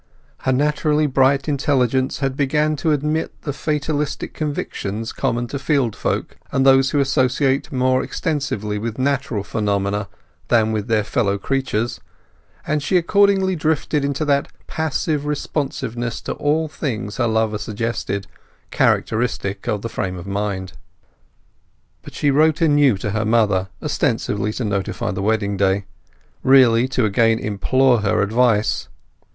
Her naturally bright intelligence had begun to admit the fatalistic convictions common to field folk and those who associate more extensively with natural phenomena than with their fellow creatures; and she accordingly drifted into that passive responsiveness to all things her lover suggested, characteristic of the frame of mind. But she wrote anew to her mother, ostensibly to notify the wedding day; really to again implore her advice.